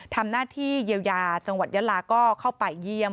ทำหน้าที่เยียวยาจังหวัดยาลาก็เข้าไปเยี่ยม